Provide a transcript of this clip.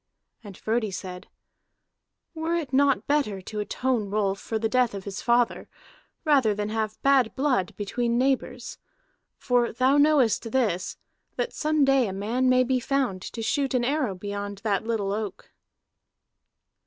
And Frodi said: "Were it not better to atone Rolf for the death of his father, rather than have bad blood between neighbors? For thou knowest this, that some day a man may be found to shoot an arrow beyond that little oak."